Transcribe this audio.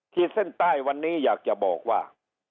เส้นใต้วันนี้อยากจะบอกว่า